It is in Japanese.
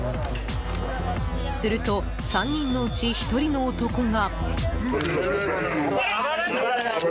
すると、３人のうち１人の男が。